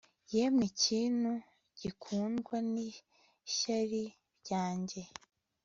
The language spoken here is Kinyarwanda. yemwe kintu gikundwa n'ishyari ryanjye